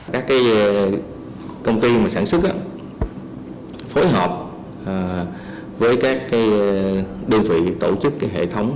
các công ty sản xuất phối hợp với các đơn vị tổ chức hệ thống